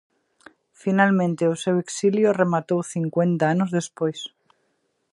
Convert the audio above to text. Finalmente o seu exilio rematou cincuenta anos despois.